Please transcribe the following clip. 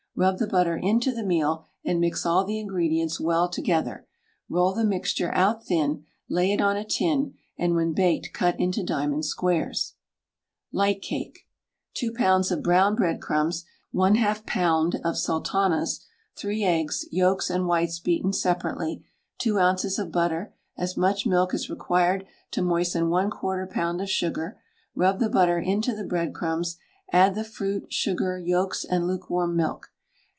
Rub the butter into the meal, and mix all the ingredients well together; roll the mixture out thin, lay it on a tin, and when baked cut into diamond squares. LIGHT CAKE. 2 lbs. of brown breadcrumbs, 1/2 lb. of sultanas, 3 eggs, yolks and whites beaten separately; 2 oz. of butter, as much milk as required to moisten 1/4 lb. of sugar. Rub the butter into the breadcrumbs, add the fruit, sugar, yolks, and lukewarm milk.